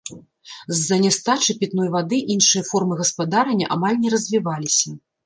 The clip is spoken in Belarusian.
З-за нястачы пітной вады іншыя формы гаспадарання амаль не развіваліся.